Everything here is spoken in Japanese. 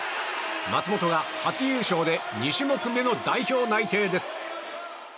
松元が初優勝で２種目めの代表内定です。